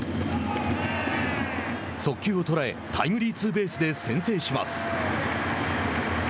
速球を捉えタイムリーツーベースで先制します。